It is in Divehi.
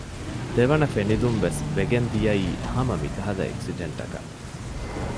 ދެވަނަ ފެނިލުންވެސް ވެގެން ދިޔައީ ހަމަ މިކަހަލަ އެކްސިޑެންޓަކަށް